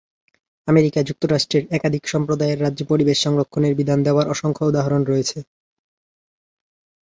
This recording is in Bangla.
আমেরিকা যুক্তরাষ্ট্রের একাধিক সম্প্রদায়ের রাজ্যে পরিবেশ সংরক্ষণের বিধান দেওয়ার অসংখ্য উদাহরণ রয়েছে।